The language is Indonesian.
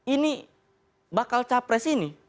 ini bakal capres ini